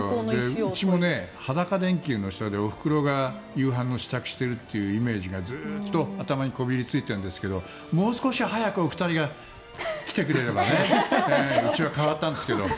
うちも裸電球の下で、おふくろが夕飯の支度してるのがずっと頭にこびりついてるんですけどもう少し早くお二人が来てくれればうちは変わったんですけど。